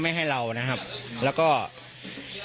กลุ่มวัยรุ่นกลัวว่าจะไม่ได้รับความเป็นธรรมทางด้านคดีจะคืบหน้า